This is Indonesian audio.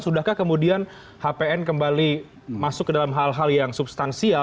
sudahkah kemudian hpn kembali masuk ke dalam hal hal yang substansial